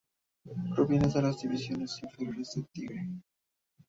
Proviene de las divisiones inferiores de Tigre.